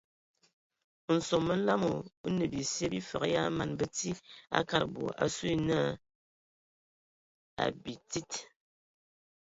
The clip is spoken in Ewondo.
Nsom məlam o nə bisye bifəg ya man bəti a kad bɔ asu na abitsid.